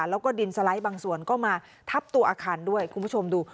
แล้วก็ดินสไลด์บางส่วนก็มาทับตัวอาคารด้วยคุณผู้ชมดู